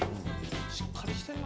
しっかりしてんな。